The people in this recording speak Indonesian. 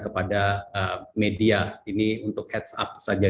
kepada media ini untuk heads up saja